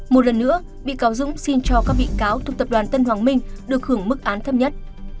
một lần nữa bị cáo dũng xin cho các bị cáo thuộc tập đoàn tân hoàng minh được hưởng mức án thấp nhất